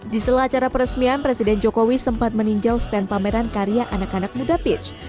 di sela acara peresmian presiden jokowi sempat meninjau stand pameran karya anak anak muda pitch